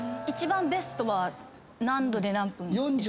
一番ベストは何℃で何分？